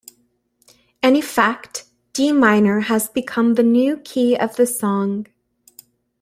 In effect, D minor has become the new key of the song.